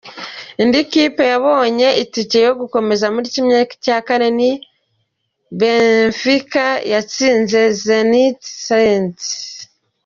Indi kipe yabonye itike yo gukomeza muri ¼ ni Benfica yatsinze Zenit St.